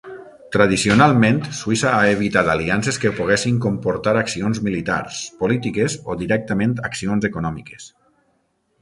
Tradicionalment, Suïssa ha evitat aliances que poguessin comportar accions militars, polítiques o directament accions econòmiques.